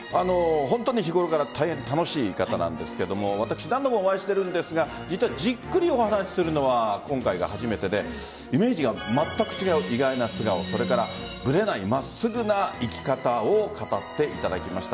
本当に日頃から大変楽しい方なんですが何度もお会いしているんですが実はじっくりお話しするのは今回が初めてでイメージがまったく違う意外な素顔ぶれない真っすぐな生き方を語っていただきました。